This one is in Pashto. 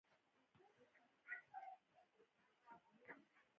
ګولایي دوه مستقیم خطونه سره نښلوي